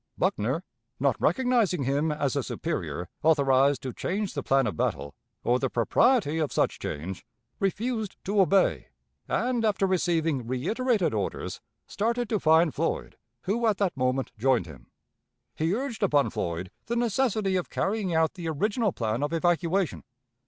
Buckner, not recognizing him as a superior authorized to change the plan of battle, or the propriety of such change, refused to obey, and, after receiving reiterated orders, started to find Floyd, who at that moment joined him. He urged upon Floyd the necessity of carrying out the original plan of evacuation.